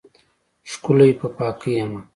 ښکلی په پاکۍ یمه